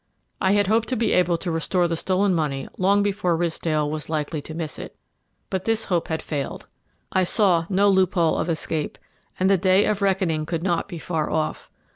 I had hoped to be able to restore the stolen money long before Ridsdale was likely to miss it. But this hope had failed. I saw no loophole of escape, and the day of reckoning could not be far off.